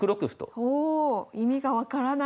おお意味が分からない。